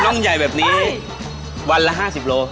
่องใหญ่แบบนี้วันละ๕๐โล